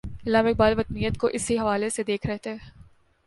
علامہ اقبال وطنیت کو اسی حوالے سے دیکھ رہے تھے۔